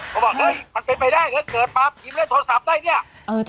เขาบอกเฮ้ยมันเป็นไปได้แล้วเกิดมาพิมพ์ได้โทรศัพท์ได้เนี่ย